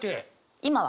今は。